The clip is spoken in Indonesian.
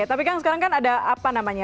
tapi kan sekarang kan ada apa namanya